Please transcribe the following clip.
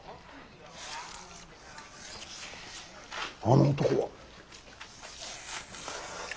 あの男は。